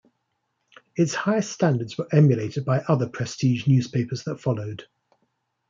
Its high standards were emulated by other prestige newspapers that followed.